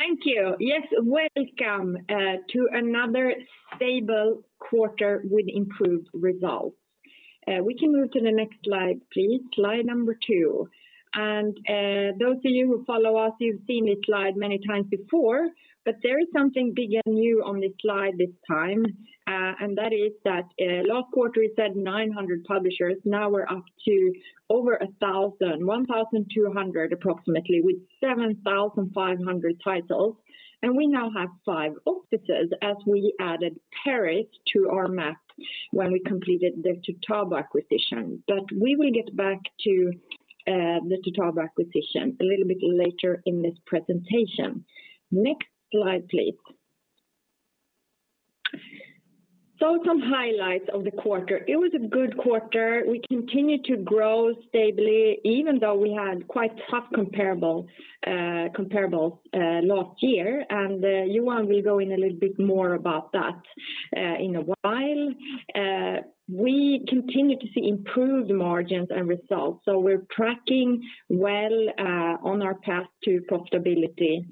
Thank you. Yes, welcome to another stable quarter with improved results. We can move to the next slide, please. Slide number 2. Those of you who follow us, you've seen this slide many times before, but there is something big and new on this slide this time. That is that last quarter we said 900 publishers, now we're up to over 1,000, 1,200 approximately, with 7,500 titles. We now have five offices as we added Paris to our map when we completed the Toutabo acquisition. We will get back to the Toutabo acquisition a little bit later in this presentation. Next slide, please. Some highlights of the quarter. It was a good quarter. We continued to grow stably even though we had quite tough comparables last year, and Johan will go in a little bit more about that in a while. We continue to see improved margins and results, so we're tracking well on our path to profitability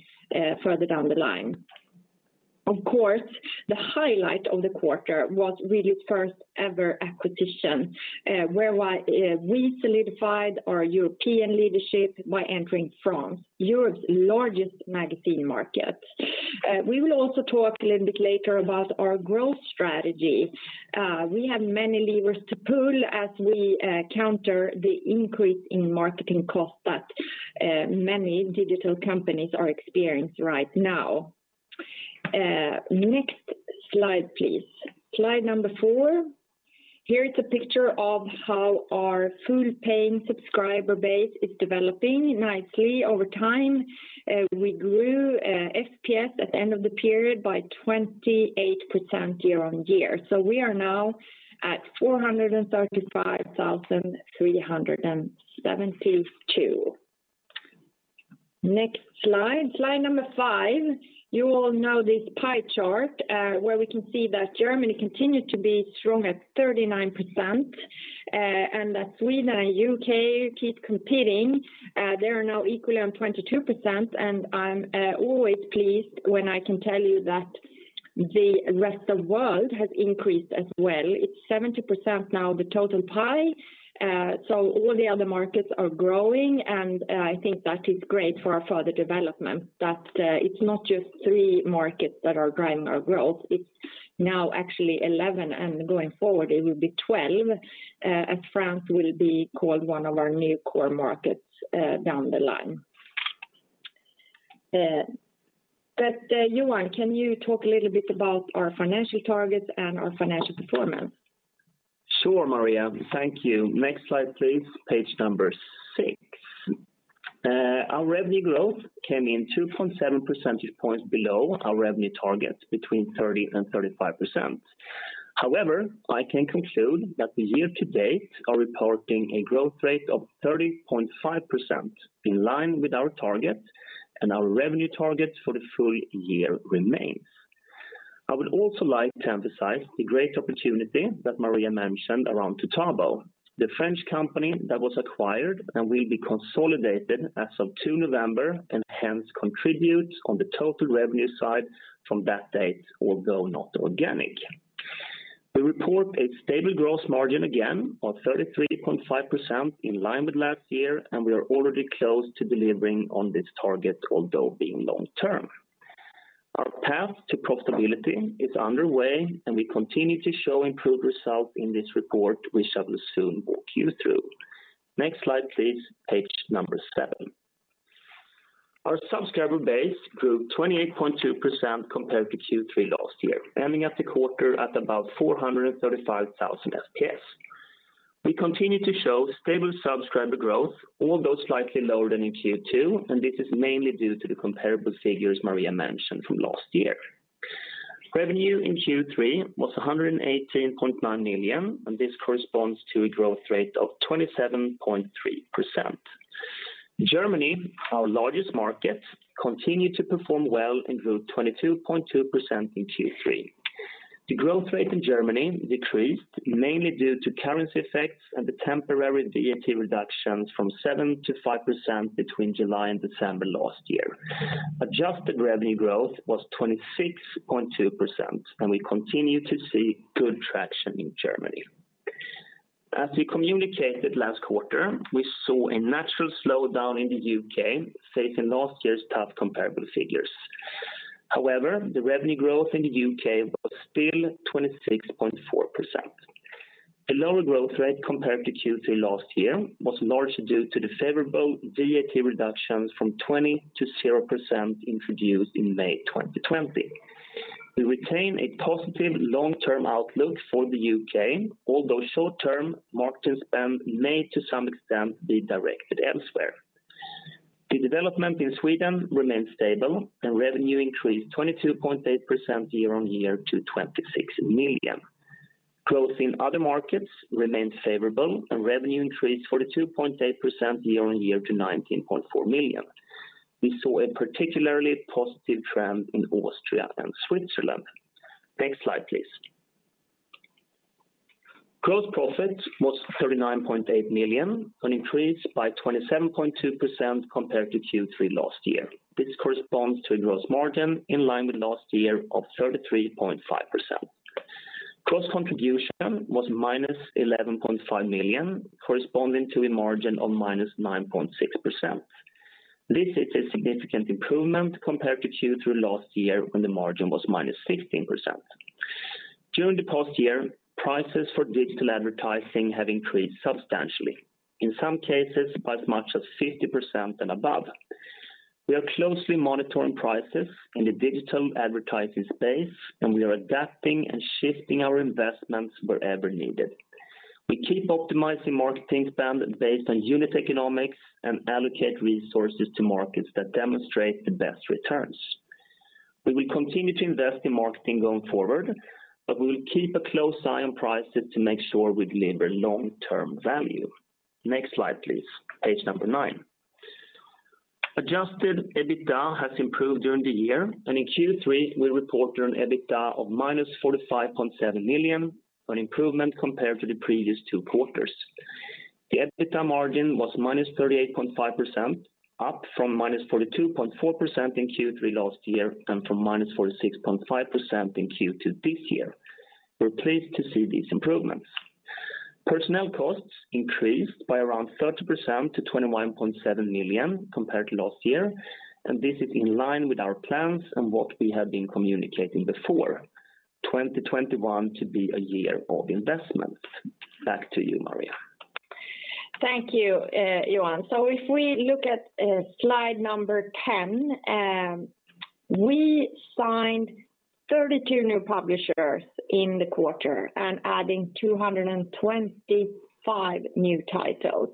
further down the line. Of course, the highlight of the quarter was really first ever acquisition, whereby we solidified our European leadership by entering France, Europe's largest magazine market. We will also talk a little bit later about our growth strategy. We have many levers to pull as we counter the increase in marketing costs that many digital companies are experienced right now. Next slide, please. Slide number 4. Here is a picture of how our full paying subscriber base is developing nicely over time. We grew FPS at the end of the period by 28% year-over-year. We are now at 435,372. Next slide. Slide number 5. You all know this pie chart, where we can see that Germany continued to be strong at 39%, and that Sweden and U.K. keep competing. They are now equally on 22%, and I'm always pleased when I can tell you that the Rest of World has increased as well. It's 70% now the total pie. All the other markets are growing, and I think that is great for our further development, that it's not just three markets that are driving our growth. It's now actually 11, and going forward, it will be 12, as France will be called one of our new core markets, down the line. Johan, can you talk a little bit about our financial targets and our financial performance? Sure, Maria. Thank you. Next slide, please. Page number 6. Our revenue growth came in 2.7 percentage points below our revenue target between 30% and 35%. However, I can conclude that the year-to-date we are reporting a growth rate of 30.5% in line with our target, and our revenue target for the full year remains. I would also like to emphasize the great opportunity that Maria mentioned around Toutabo, the French company that was acquired and will be consolidated as of 2 November, and hence contribute on the total revenue side from that date, although not organic. We report a stable gross margin again of 33.5% in line with last year, and we are already close to delivering on this target, although being long term. Our path to profitability is underway, and we continue to show improved results in this report, which I will soon walk you through. Next slide, please. Page 7. Our subscriber base grew 28.2% compared to Q3 last year, ending the quarter at about 435,000 FPS. We continue to show stable subscriber growth, although slightly lower than in Q2, and this is mainly due to the comparable figures Maria mentioned from last year. Revenue in Q3 was 118.9 million, and this corresponds to a growth rate of 27.3%. Germany, our largest market, continued to perform well and grew 22.2% in Q3. The growth rate in Germany decreased mainly due to currency effects and the temporary VAT reductions from 7%-5% between July and December last year. Adjusted revenue growth was 26.2%, and we continue to see good traction in Germany. As we communicated last quarter, we saw a natural slowdown in the U.K. facing last year's tough comparable figures. However, the revenue growth in the U.K. was still 26.4%. A lower growth rate compared to Q3 last year was largely due to the favorable VAT reductions from 20%-0% introduced in May 2020. We retain a positive long-term outlook for the U.K., although short-term marketing spend may to some extent be directed elsewhere. The development in Sweden remained stable, and revenue increased 22.8% year-over-year to 26 million. Growth in other markets remained favorable, and revenue increased 42.8% year-over-year to 19.4 million. We saw a particularly positive trend in Austria and Switzerland. Next slide, please. Gross profit was 39.8 million, an increase by 27.2% compared to Q3 last year. This corresponds to a gross margin in line with last year of 33.5%. Gross contribution was -11.5 million, corresponding to a margin of -9.6%. This is a significant improvement compared to Q3 last year when the margin was -15%. During the past year, prices for digital advertising have increased substantially, in some cases by as much as 50% and above. We are closely monitoring prices in the digital advertising space, and we are adapting and shifting our investments wherever needed. We keep optimizing marketing spend based on unit economics and allocate resources to markets that demonstrate the best returns. We will continue to invest in marketing going forward, but we will keep a close eye on prices to make sure we deliver long-term value. Next slide, please. Page number 9. Adjusted EBITDA has improved during the year, and in Q3, we reported an EBITDA of -45.7 million, an improvement compared to the previous two quarters. The EBITDA margin was -38.5%, up from -42.4% in Q3 last year and from -46.5% in Q2 this year. We're pleased to see these improvements. Personnel costs increased by around 30% to 21.7 million compared to last year, and this is in line with our plans and what we have been communicating before. 2021 to be a year of investment. Back to you, Maria. Thank you, Johan. If we look at slide number 10, we signed 32 new publishers in the quarter and adding 225 new titles.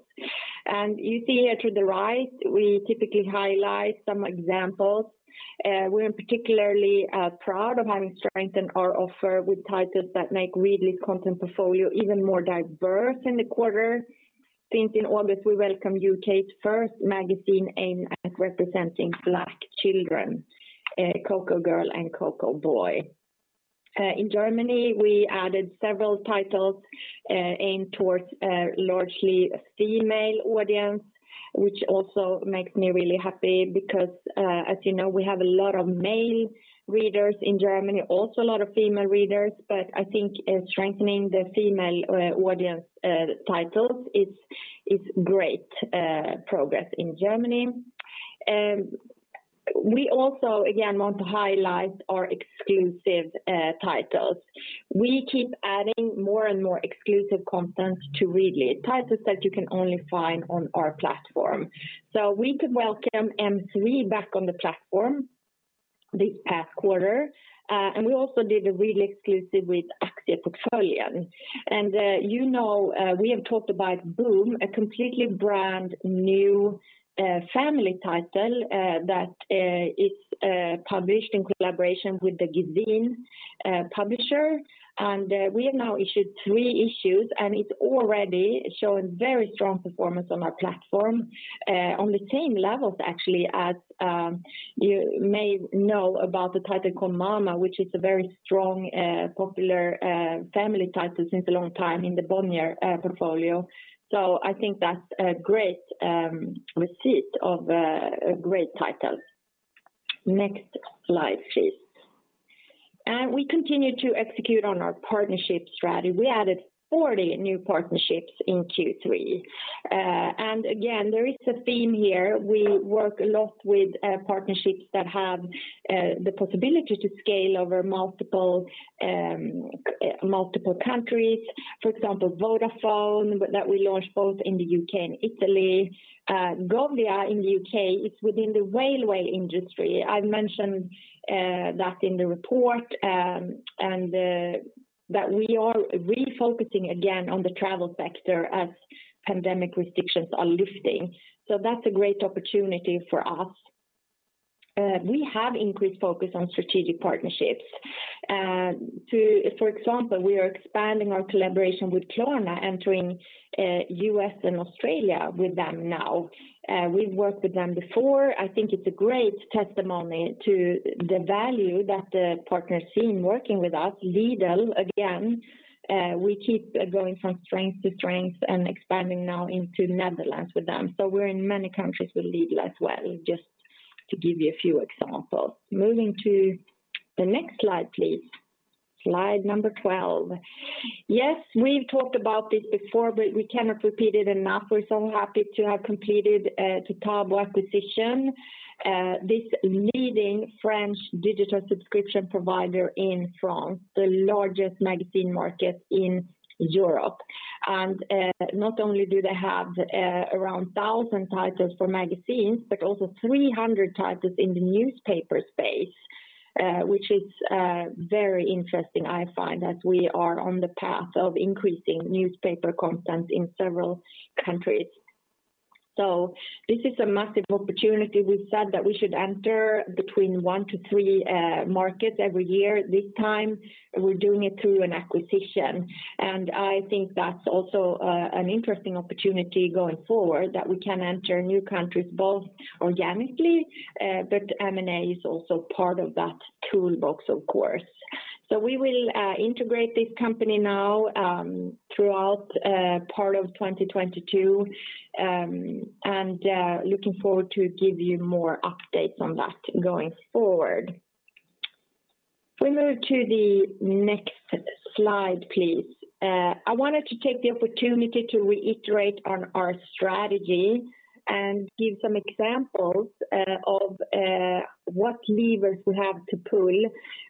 You see here to the right, we typically highlight some examples. We're particularly proud of having strengthened our offer with titles that make Readly's content portfolio even more diverse in the quarter. Since in August, we welcome U.K.'s first magazine aimed at representing Black children, Cocoa Girl and Cocoa Boy. In Germany, we added several titles aimed towards largely a female audience, which also makes me really happy because, as you know, we have a lot of male readers in Germany, also a lot of female readers, but I think strengthening the female audience titles is great progress in Germany. We also, again, want to highlight our exclusive titles. We keep adding more and more exclusive content to Readly, titles that you can only find on our platform. We could welcome M3 back on the platform this past quarter, and we also did a Readly exclusive with Aktieportföljen. You know, we have talked about Boom!, a completely brand-new family title that is published in collaboration with the Egmont publisher. We have now issued three issues, and it's already showing very strong performance on our platform, on the same levels, actually, as you may know about the title called mama, which is a very strong, popular family title since a long time in the Bonnier portfolio. I think that's a great recipe for a great title. Next slide, please. We continue to execute on our partnership strategy. We added 40 new partnerships in Q3. Again, there is a theme here. We work a lot with partnerships that have the possibility to scale over multiple countries. For example, Vodafone that we launched both in the U.K. and Italy. Govia in the U.K. is within the Railway industry. I've mentioned that in the report that we are refocusing again on the travel sector as pandemic restrictions are lifting. That's a great opportunity for us. We have increased focus on strategic partnerships. For example, we are expanding our collaboration with Klarna, entering U.S. and Australia with them now. We've worked with them before. I think it's a great testimony to the value that the partners see in working with us. Lidl, again, we keep going from strength to strength and expanding now into Netherlands with them. We're in many countries with Lidl as well, just to give you a few examples. Moving to the next slide, please. Slide 12. Yes, we've talked about this before, but we cannot repeat it enough. We're so happy to have completed the Toutabo acquisition, this leading French digital subscription provider in France, the largest magazine market in Europe. Not only do they have around 1,000 titles for magazines, but also 300 titles in the newspaper space, which is very interesting, I find, as we are on the path of increasing newspaper content in several countries. This is a massive opportunity. We've said that we should enter between 1-3 markets every year. This time, we're doing it through an acquisition. I think that's also an interesting opportunity going forward, that we can enter new countries both organically, but M&A is also part of that toolbox, of course. We will integrate this company now throughout part of 2022, and looking forward to give you more updates on that going forward. If we move to the next slide, please. I wanted to take the opportunity to reiterate on our strategy and give some examples of what levers we have to pull.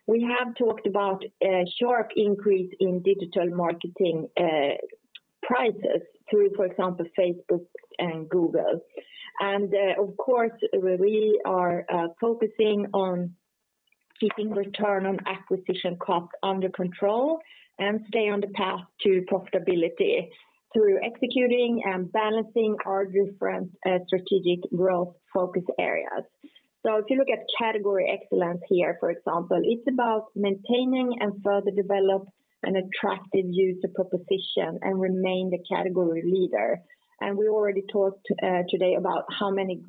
We have talked about a sharp increase in digital marketing prices through, for example, Facebook and Google. Of course, we are focusing on keeping return on acquisition costs under control and stay on the path to profitability through executing and balancing our different strategic growth focus areas. If you look at category excellence here, for example, it's about maintaining and further develop an attractive user proposition and remain the category leader. We already talked today about how many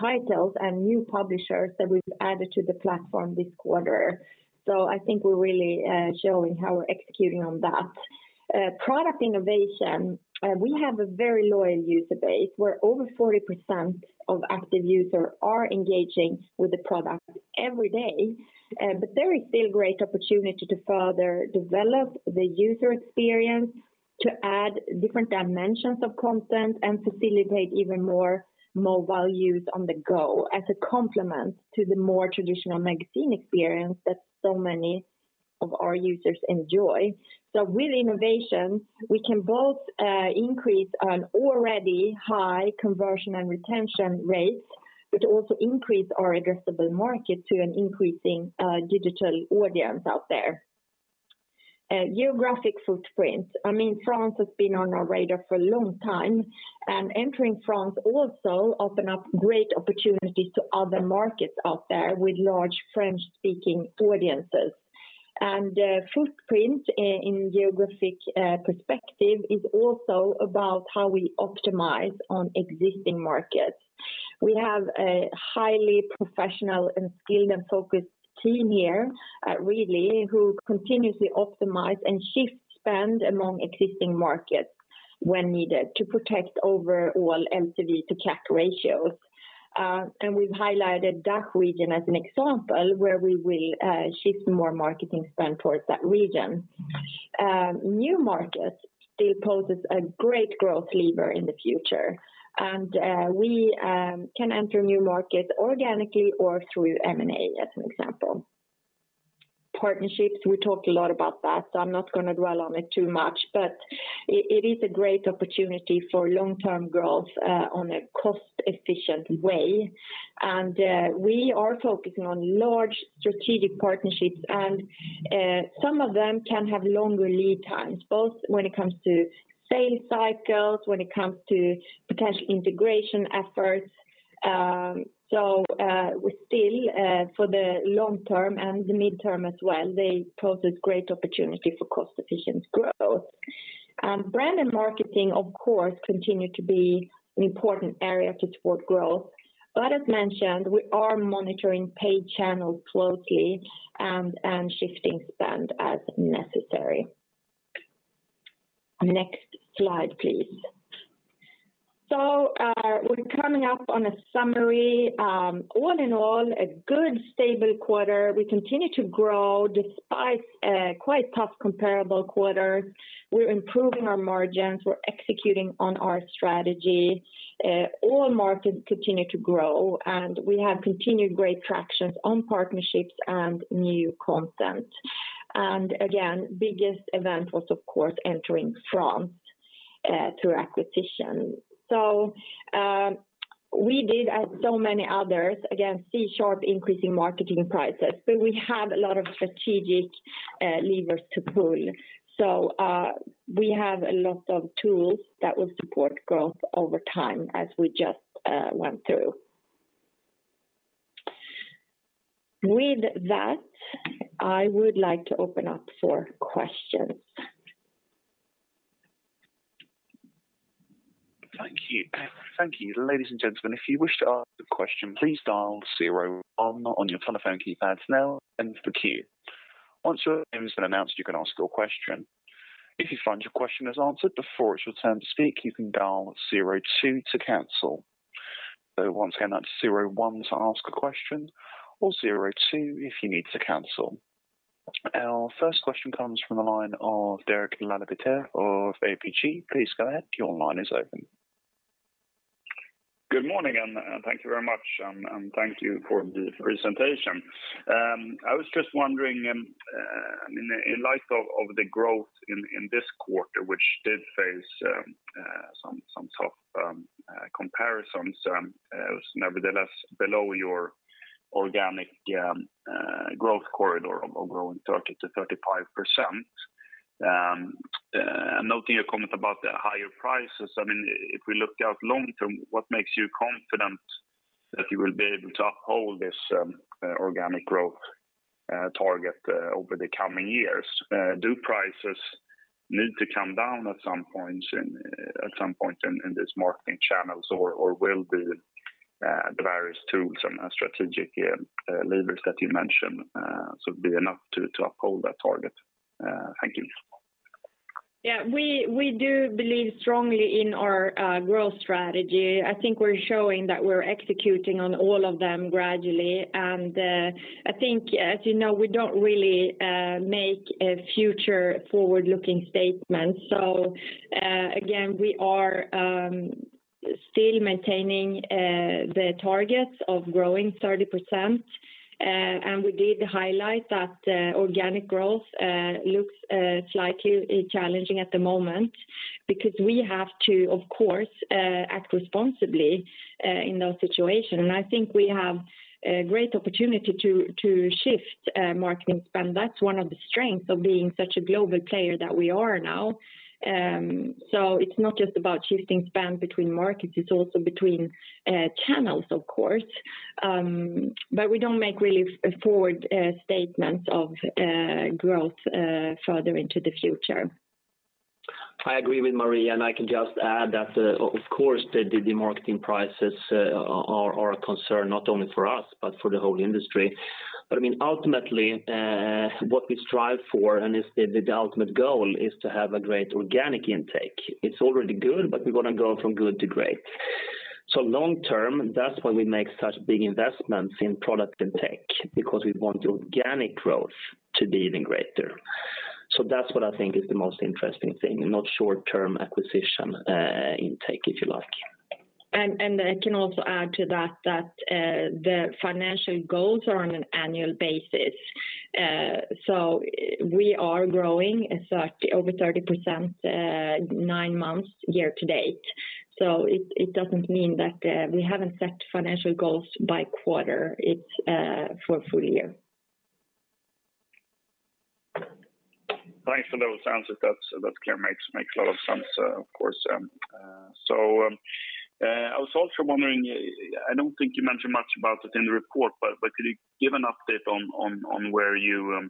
titles and new publishers that we've added to the platform this quarter. I think we're really showing how we're executing on that. Product innovation. We have a very loyal user base where over 40% of active users are engaging with the product every day. But there is still great opportunity to further develop the user experience, to add different dimensions of content and facilitate even more mobile use on the go as a complement to the more traditional magazine experience that so many of our users enjoy. With innovation, we can both increase an already high conversion and retention rates, but also increase our addressable market to an increasing digital audience out there. Geographic footprint. I mean, France has been on our radar for a long time, and entering France also open up great opportunities to other markets out there with large French-speaking audiences. Footprint in geographic perspective is also about how we optimize on existing markets. We have a highly professional and skilled, and focused team here, really, who continuously optimize and shift spend among existing markets when needed to protect overall LTV to CAC ratios. We've highlighted DACH region as an example where we will shift more marketing spend towards that region. New markets still poses a great growth lever in the future, and we can enter new markets organically or through M&A, as an example. Partnerships, we talked a lot about that, so I'm not gonna dwell on it too much. It is a great opportunity for long-term growth on a cost-efficient way. We are focusing on large strategic partnerships, and some of them can have longer lead times, both when it comes to sales cycles, when it comes to potential integration efforts. We still for the long term and the midterm as well, they pose a great opportunity for cost-efficient growth. Brand and marketing, of course, continue to be an important area to support growth. As mentioned, we are monitoring paid channels closely and shifting spend as necessary. Next slide, please. We're coming up on a summary. All in all, a good stable quarter. We continue to grow despite a quite tough comparable quarter. We're improving our margins. We're executing on our strategy. All markets continue to grow, and we have continued great tractions on partnerships and new content. Again, biggest event was of course entering France through acquisition. We did, as so many others, again, see sharp increase in marketing prices. We have a lot of strategic levers to pull. We have a lot of tools that will support growth over time as we just went through. With that, I would like to open up for questions. Thank you. Ladies and gentlemen, if you wish to ask a question, please dial zero one on your telephone keypads now to queue. Once your name has been announced, you can ask your question. If you find your question is answered before it's your turn to speak, you can dial zero two to cancel. Once again, that's zero one to ask a question or zero two if you need to cancel. Our first question comes from the line of Derek Laliberté of ABG. Please go ahead. Your line is open. Good morning, thank you very much. Thank you for the presentation. I was just wondering, I mean, in light of the growth in this quarter, which did face some tough comparisons, it was nevertheless below your organic growth corridor of growing 30%-35%. Noting your comment about the higher prices, I mean, if we look out long term, what makes you confident that you will be able to uphold this organic growth target over the coming years? Do prices need to come down at some point in these marketing channels or will the various tools and strategic levers that you mentioned sort of be enough to uphold that target? Thank you. Yeah. We do believe strongly in our growth strategy. I think we're showing that we're executing on all of them gradually. I think as you know, we don't really make future forward-looking statements. Again, we are still maintaining the targets of growing 30%. We did highlight that organic growth looks slightly challenging at the moment because we have to, of course, act responsibly in those situations. I think we have a great opportunity to shift marketing spend. That's one of the strengths of being such a global player that we are now. It's not just about shifting spend between markets, it's also between channels, of course. We don't make really forward statements of growth further into the future. I agree with Maria, and I can just add that, of course, the marketing prices are a concern not only for us, but for the whole industry. I mean, ultimately, what we strive for, the ultimate goal is to have a great organic intake. It's already good, but we want to go from good to great. Long term, that's why we make such big investments in product and tech, because we want organic growth to be even greater. That's what I think is the most interesting thing, not short-term acquisition intake, if you like. I can also add to that the financial goals are on an annual basis. We are growing over 30% nine months year-to-date. It doesn't mean that we haven't set financial goals by quarter. It's for a full year. Thanks for those answers. That's clear. Makes a lot of sense, of course. I was also wondering, I don't think you mentioned much about it in the report, but could you give an update on where you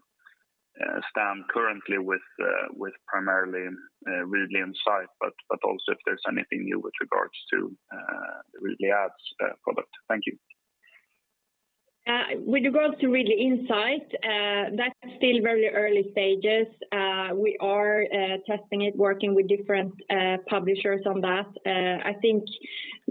stand currently with primarily Readly Insight, but also if there's anything new with regards to the Readly Ads product. Thank you. With regards to Readly Insight, that's still very early stages. We are testing it, working with different publishers on that. I think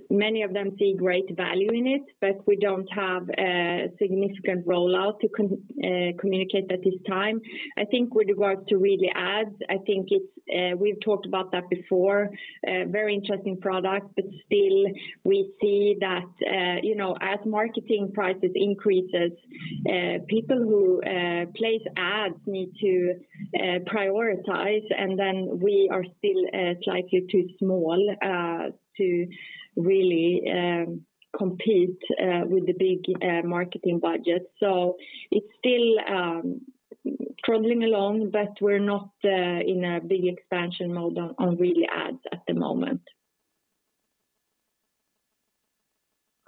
many of them see great value in it, but we don't have a significant rollout to communicate at this time. I think with regards to Readly Ads, I think it's, we've talked about that before, a very interesting product, but still we see that, you know, as marketing prices increases, people who place ads need to prioritize, and then we are still slightly too small to really compete with the big marketing budgets. It's still trudging along, but we're not in a big expansion mode on Readly Ads at the moment.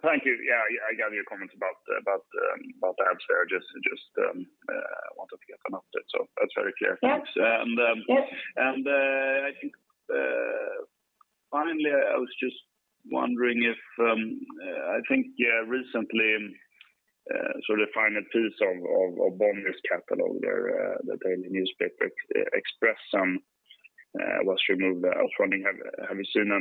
Thank you. Yeah, I got your comments about ads there. Just wanted to get an update. That's very clear. Yeah. Thanks. Yeah. I think finally, I was just wondering if recently sort of final piece of Bonnier's capital there, the daily newspaper Expressen, was removed. Have you seen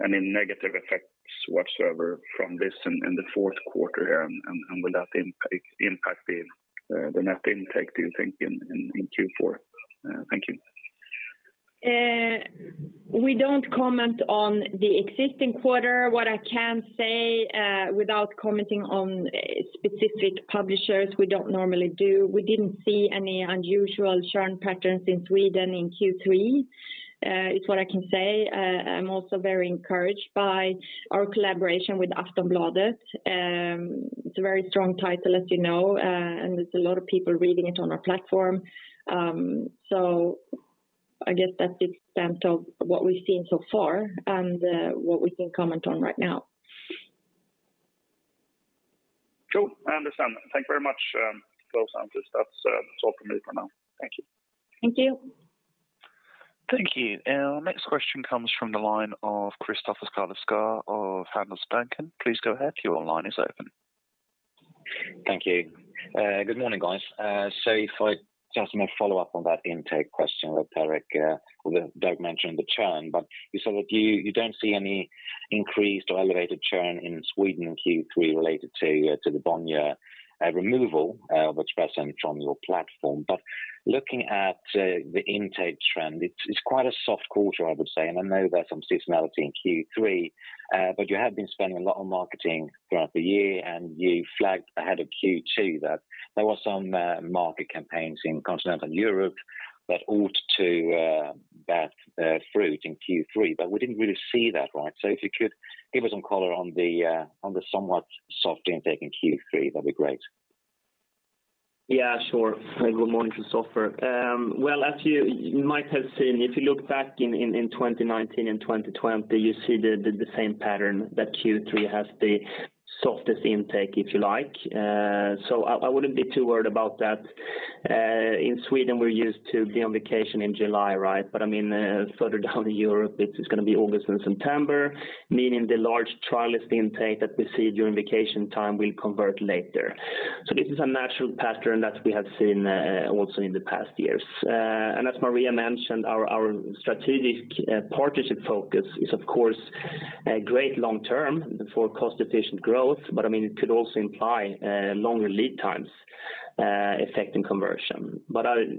any negative effects whatsoever from this in the fourth quarter? Will that impact the net intake, do you think, in Q4? Thank you. We don't comment on the existing quarter. What I can say, without commenting on specific publishers, we don't normally do. We didn't see any unusual churn patterns in Sweden in Q3, is what I can say. I'm also very encouraged by our collaboration with Aftonbladet. It's a very strong title, as you know, and there's a lot of people reading it on our platform. I guess that's the extent of what we've seen so far and, what we can comment on right now. Cool. I understand. Thank you very much for those answers. That's all from me for now. Thank you. Thank you. Thank you. Our next question comes from the line of Kristoffer Svenska Handelsbanken. Please go ahead. Your line is open. Thank you. Good morning, guys. If I just may follow up on that intake question that Derek mentioned the churn, but you said that you don't see any increased or elevated churn in Sweden in Q3 related to the Bonnier removal of Expressen from your platform. Looking at the intake trend, it's quite a soft quarter, I would say. I know there's some seasonality in Q3, but you have been spending a lot on marketing throughout the year, and you flagged ahead of Q2 that there were some market campaigns in continental Europe that ought to bear fruit in Q3, but we didn't really see that, right? If you could give us some color on the somewhat soft intake in Q3, that'd be great. Yeah, sure. Good morning, Kristoffer. Well, as you might have seen, if you look back in 2019 and 2020, you see the same pattern that Q3 has the softest intake, if you like. So I wouldn't be too worried about that. In Sweden, we're used to be on vacation in July, right? But I mean, further down in Europe, it's gonna be August and September, meaning the large trialist intake that we see during vacation time will convert later. So this is a natural pattern that we have seen also in the past years. And as Maria mentioned, our strategic partnership focus is of course a great long term for cost efficient growth, but I mean, it could also imply longer lead times affecting conversion.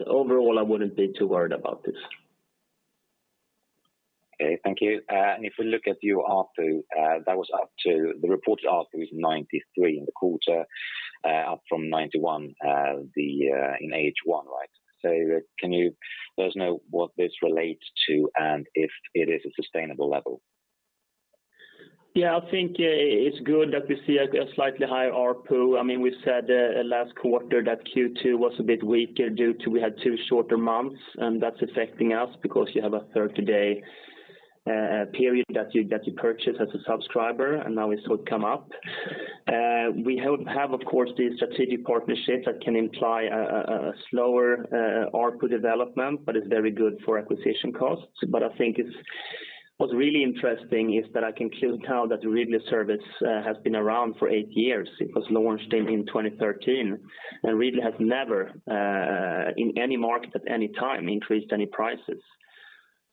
Overall, I wouldn't be too worried about this. Okay, thank you. If we look at your ARPU, that was up to the reported ARPU is 93 in the quarter, up from 91 in H1, right? Can you let us know what this relates to and if it is a sustainable level? Yeah, I think it's good that we see a slightly higher ARPU. I mean, we said last quarter that Q2 was a bit weaker due to we had two shorter months, and that's affecting us because you have a 30-day period that you purchase as a subscriber, and now it's sort of come up. We have of course these strategic partnerships that can imply a slower ARPU development, but it's very good for acquisition costs. I think what's really interesting is that I can clearly tell that the Readly service has been around for eight years. It was launched in 2013, and Readly has never in any market at any time increased any prices.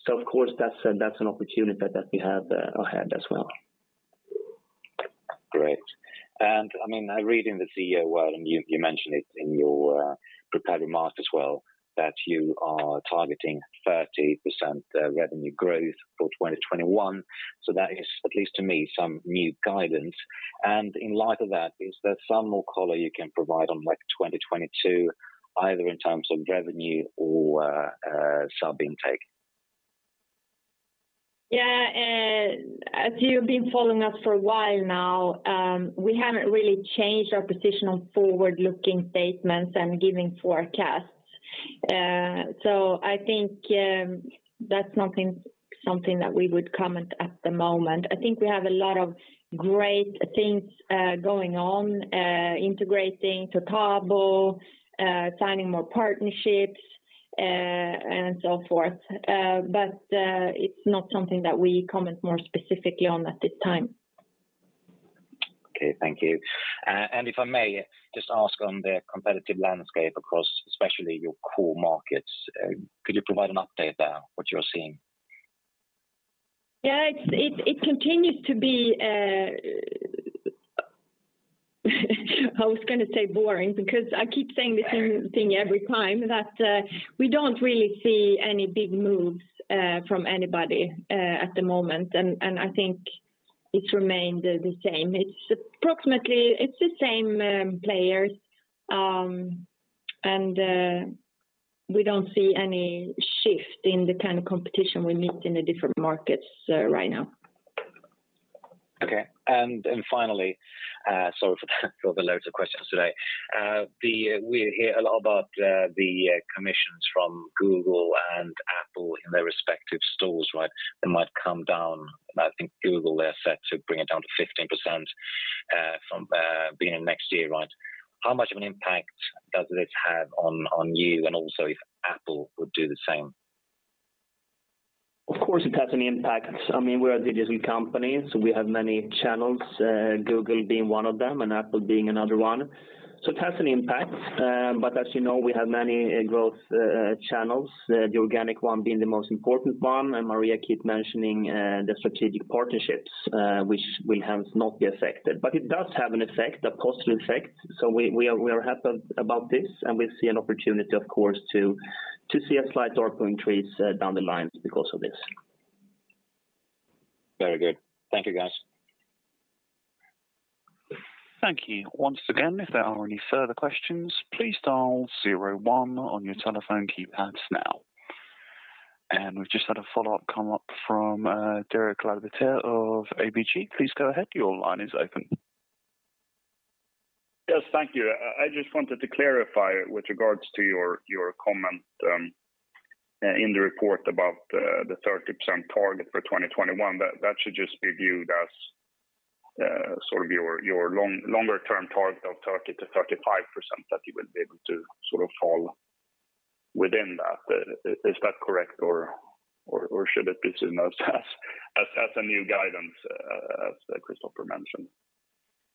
Of course, that's an opportunity that we have ahead as well. Great. I mean, I read the CEO's, well, and you mentioned it in your prepared remarks as well, that you are targeting 30% revenue growth for 2021. That is, at least to me, some new guidance. In light of that, is there some more color you can provide on like 2022, either in terms of revenue or sub intake? Yeah. As you've been following us for a while now, we haven't really changed our position on forward-looking statements and giving forecasts. I think that's something that we would comment on at the moment. I think we have a lot of great things going on, integrating Toutabo, signing more partnerships, and so forth. It's not something that we comment more specifically on at this time. Okay, thank you. If I may just ask on the competitive landscape, of course, especially your core markets, could you provide an update there, what you're seeing? Yeah. It continues to be. I was gonna say boring because I keep saying the same thing every time, that we don't really see any big moves from anybody at the moment. I think it's remained the same. It's the same players, and we don't see any shift in the kind of competition we meet in the different markets right now. Okay. Finally, sorry for the loads of questions today. We hear a lot about the commissions from Google and Apple in their respective stores, right? They might come down, and I think Google, they're set to bring it down to 15%, from beginning next year, right? How much of an impact does this have on you, and also if Apple would do the same? Of course, it has an impact. I mean, we're a Digital company, so we have many channels, Google being one of them and Apple being another one. It has an impact. As you know, we have many growth channels, the organic one being the most important one, and Maria keep mentioning the strategic partnerships, which will hence not be affected. It does have an effect, a cost effect. We are happy about this, and we see an opportunity, of course, to see a slight ARPU increase down the line because of this. Very good. Thank you, guys. Thank you. Once again, if there are any further questions, please dial zero one on your telephone keypads now. We've just had a follow-up come up from Derek Laliberté of ABG. Please go ahead. Your line is open. Yes, thank you. I just wanted to clarify with regards to your comment in the report about the 30% target for 2021. That should just be viewed as sort of your longer term target of 30%-35% that you will be able to sort of fall within that. Is that correct or should it be seen as a new guidance, as Kristoffer mentioned?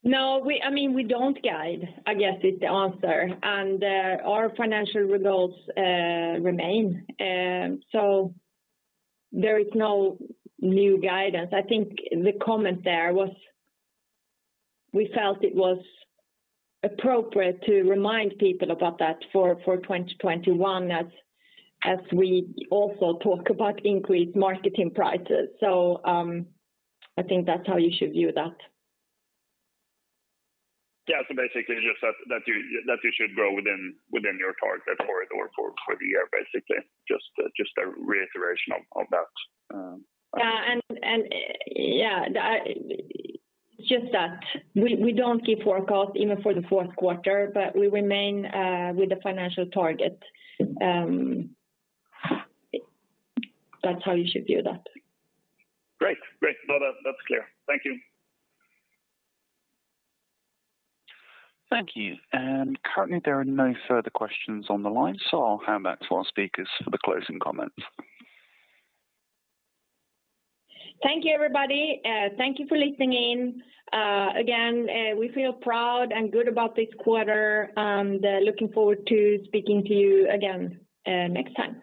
No. I mean, we don't guide, I guess is the answer. Our financial results remain. There is no new guidance. I think the comment there was we felt it was appropriate to remind people about that for 2021 as we also talk about increased marketing prices. I think that's how you should view that. Yeah. Basically just that you should grow within your target corridor for the year, basically. Just a reiteration of that. Just that we don't give forecast even for the fourth quarter, but we remain with the financial target. That's how you should view that. Great. No, that's clear. Thank you. Thank you. Currently, there are no further questions on the line, so I'll hand back to our speakers for the closing comments. Thank you, everybody. Thank you for listening in. Again, we feel proud and good about this quarter. Looking forward to speaking to you again, next time.